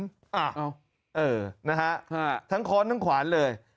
เอาเออนะฮะทั้งค้อนทั้งขวานเลย